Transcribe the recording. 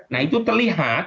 nah itu terlihat